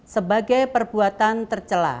sebagai perbuatan tercela